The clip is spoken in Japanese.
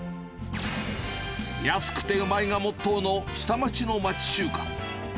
安くてうまいがモットーの下町の町中華。